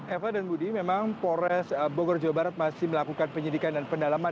eva dan budi memang polres bogor jawa barat masih melakukan penyidikan dan pendalaman